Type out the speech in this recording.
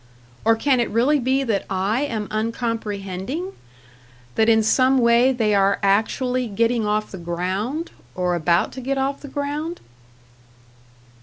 Or can it really be that I am uncomprehending? That in some way they are actually getting off the ground, or about to get off the ground?